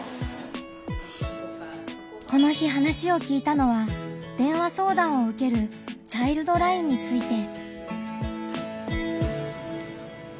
この日話を聞いたのは電話相談を受けるチャイルドラインについて。